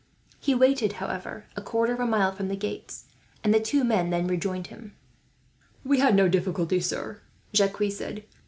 He waited, however, a quarter of a mile from the gates, and the two men then rejoined him. "We had no difficulty, sir," Jacques said.